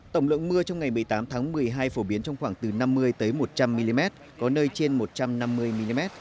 tổng lượng mưa trong ngày một mươi tám tháng một mươi hai phổ biến trong khoảng từ năm mươi một trăm linh mm có nơi trên một trăm năm mươi mm